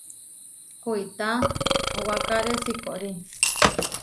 Kuitá waʼkáre sikorí.